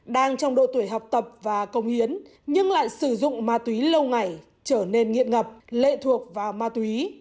đang trong độ tuổi học tập và công hiến nhưng lại sử dụng ma túy lâu ngày trở nên nghiện ngập lệ thuộc vào ma túy